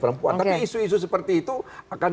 perempuan tapi isu isu seperti itu akan